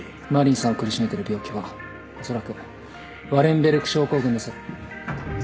真凛さんを苦しめてる病気はおそらくワレンベルグ症候群です。